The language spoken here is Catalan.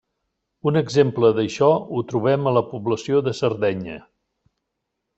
Un exemple d'això ho trobem a la població de Sardenya.